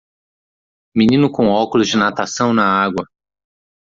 Menino com óculos de natação na água.